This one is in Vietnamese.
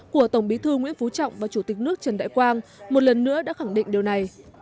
của tổng bí thư nguyễn phú trọng và chủ tịch nước trần đại quang một lần nữa đã khẳng định điều này